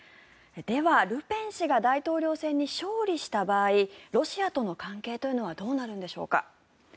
では、ルペン氏が大統領選に勝利した場合ロシアとの関係というのはどうなるんでしょうか。